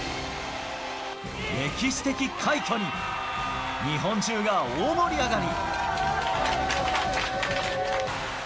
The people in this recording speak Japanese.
歴史的快挙に、日本中が大盛り上がり。